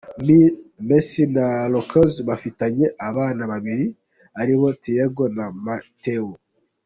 Messi na Roccuzzo bafitanye abana babiri aribo Thiago na Mateo.